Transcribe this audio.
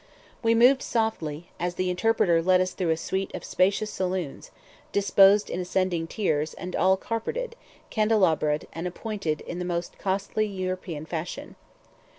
We moved softly, as the interpreter led us through a suite of spacious saloons, disposed in ascending tiers, and all carpeted, candelabraed, and appointed in the most costly European fashion.